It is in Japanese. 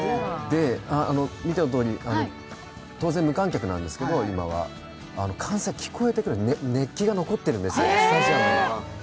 見てのとおり当然、無観客なんですけど、今は。歓声が聞こえてくる、熱気が残っているんですよ、スタジアムに。